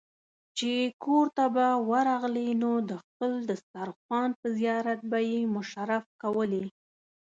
چې کورته به ورغلې نو د خپل دسترخوان په زيارت به يې مشرف کولې.